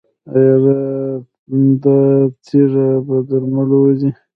ایا دا تیږه په درملو وځي؟